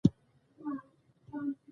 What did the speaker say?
په هم هغه کې زما زړه تپېږي